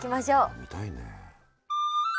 見たいね。